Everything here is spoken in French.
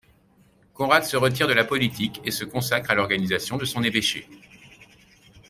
Konrad se retire de la politique et se consacre à l'organisation de son évêché.